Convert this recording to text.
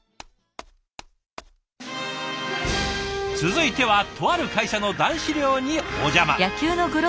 続いてはとある会社の男子寮にお邪魔。